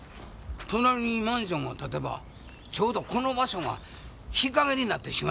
隣にマンションが建てばちょうどこの場所が日陰になってしまいますやろ？